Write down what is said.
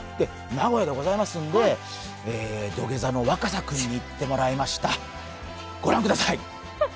名古屋でございますんで、土下座の若狭君に行ってもらいました。